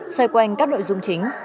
xoay quanh các nội dung chính